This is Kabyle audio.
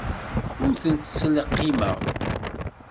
Ur tent-ttleqqimeɣ.